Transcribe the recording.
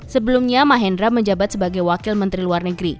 sebelumnya mahendra menjabat sebagai wakil menteri luar negeri